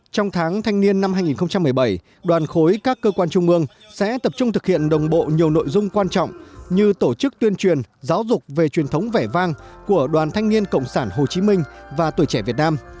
trong tháng thanh niên năm hai nghìn một mươi bảy đoàn khối các cơ quan trung ương sẽ tập trung thực hiện đồng bộ nhiều nội dung quan trọng như tổ chức tuyên truyền giáo dục về truyền thống vẻ vang của đoàn thanh niên cộng sản hồ chí minh và tuổi trẻ việt nam